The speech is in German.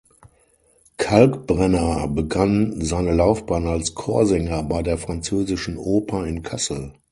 Kalkbrenner begann seine Laufbahn als Chorsänger bei der Französischen Oper in Kassel.